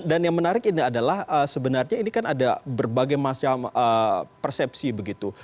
dan yang menarik ini adalah sebenarnya ini kan ada berbagai persepsi begitu